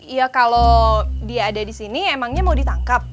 ya kalau dia ada disini emangnya mau ditangkap